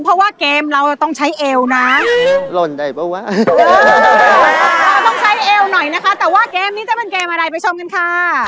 แต่ว่าเกมนี้จะเป็นเกมอะไรไปชมกันค่ะ